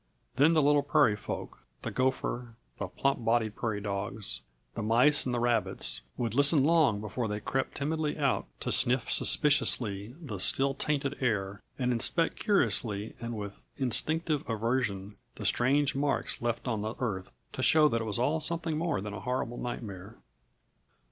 Then the little prairie folk the gopher, the plump bodied prairie dogs, the mice and the rabbits, would listen long before they crept timidly out to sniff suspiciously the still tainted air and inspect curiously and with instinctive aversion the strange marks left on the earth to show that it was all something more than a horrible nightmare.